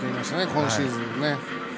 今シーズンの。